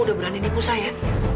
udah berani nipu saya